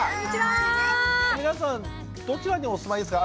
皆さんどちらにお住まいですか？